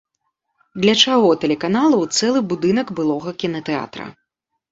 Для чаго тэлеканалу цэлы будынак былога кінатэатра?